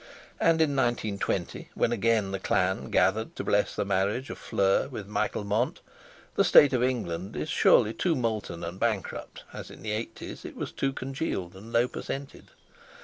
And in 1920, when again the clan gathered to bless the marriage of Fleur with Michael Mont, the state of England is as surely too molten and bankrupt as in the eighties it was too congealed and low percented.